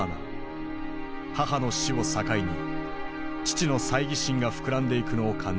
母の死を境に父の猜疑心が膨らんでいくのを感じていた。